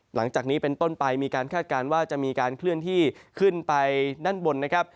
หลังจากนี้เป็นต้นไปมีการคาดการณ์ว่าจะมีการเคลื่อนที่ขึ้นไปด้านบนนะครับ